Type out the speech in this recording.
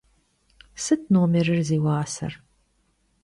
Sıt nomêrır zi vuaser?